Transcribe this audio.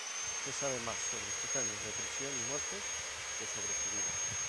Se sabe más sobre sus años de prisión y muerte que sobre su vida.